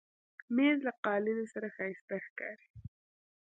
مېز له قالینې سره ښایسته ښکاري.